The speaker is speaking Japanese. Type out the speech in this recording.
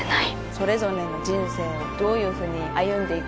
それぞれの人生をどういうふうに歩んでいくのか。